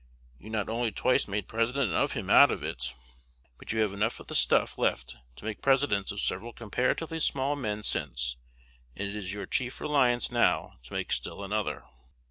You not only twice made President of him out of it, but you have enough of the stuff left to make Presidents of several comparatively small men since; and it is your chief reliance now to make still another.